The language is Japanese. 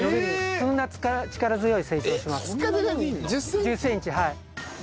そんな力強い性質をしてます。